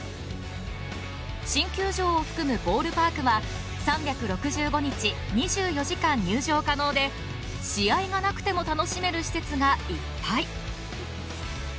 新球場を含むボールパークは３６５日２４時間入場可能で試合がなくても楽しめる施設がいっぱい。